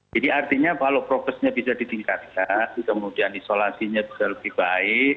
jadi artinya kalau prosesnya bisa ditingkatkan kemudian isolasinya bisa lebih baik